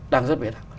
đang rất bế tặc